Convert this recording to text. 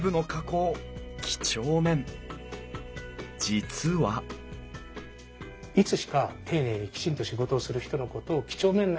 実はいつしか丁寧にきちんと仕事をする人のことを几帳面な人と。